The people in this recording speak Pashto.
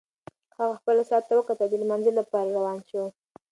هغه خپل ساعت ته وکتل او د لمانځه لپاره روان شو.